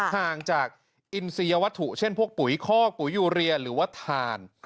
ห่างจากอินซียวัตถุเช่นพวกปุ๋ยคอกปุ๋ยยูเรียหรือว่าทาน